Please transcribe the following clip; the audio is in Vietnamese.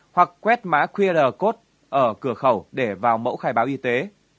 hoặc quét mã qr code ở cửa khẩu để vào mẫu khai báo y tế